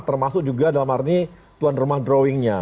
termasuk juga dalam arti tuan rumah drawingnya